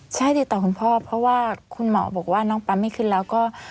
ใช่ติดต่อคุณพ่อเพราะว่าคุณหมอบอกว่าน้องปั๊มไม่ขึ้นแล้วก็